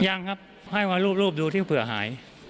ยังครับให้มารูปดูที่เผื่อหาย